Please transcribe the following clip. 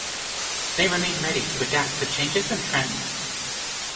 They remain ready to adapt to changes in trends.